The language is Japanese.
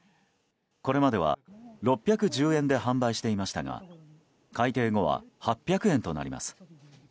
これまでは６１０円で販売していましたが改定後は８００円となります。